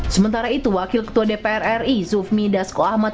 sementara itu wakil ketua dpr ri zufmi dasko ahmad